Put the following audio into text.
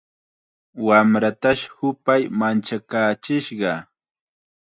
Wamratash hupay manchakaachishqa.